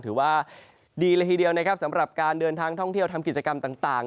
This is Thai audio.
ถือว่าดีละทีเดียวนะครับสำหรับการเดินทางท่องเที่ยวทำกิจกรรมต่าง